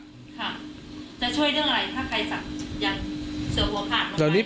จะช่วยเรื่องอะไรถ้าใครศักดิ์เสือหัวขาดลงไป